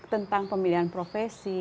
tentang pemilihan profesi